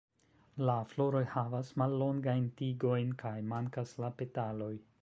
La floroj havas mallongajn tigojn kaj mankas la petaloj.